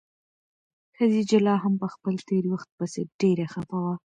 خدیجه لا هم په خپل تېر وخت پسې ډېره خفه وه.